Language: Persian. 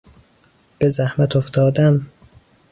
به زحمت افتادن